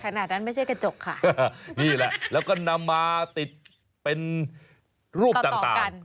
ขนาดนั้นไม่ใช่กระจกค่ะนี่แหละแล้วก็นำมาติดเป็นรูปต่างต่าง